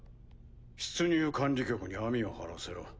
出入管理局に網を張らせろ。